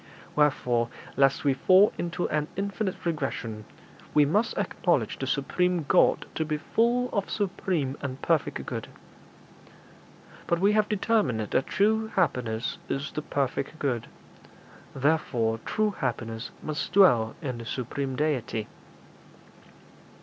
Wherefore, lest we fall into an infinite regression, we must acknowledge the supreme God to be full of supreme and perfect good. But we have determined that true happiness is the perfect good; therefore true happiness must dwell in the supreme Deity.'